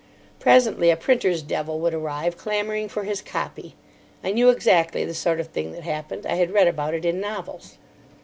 Presently a printer's devil would arrive, clamouring for his "copy." I knew exactly the sort of thing that happened. I had read about it in novels.